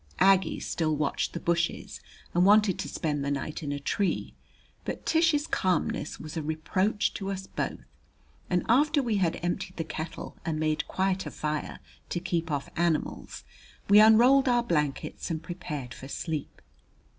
Aggie still watched the bushes and wanted to spend the night in a tree; but Tish's calmness was a reproach to us both, and after we had emptied the kettle and made quite a fire to keep off animals, we unrolled our blankets and prepared for sleep.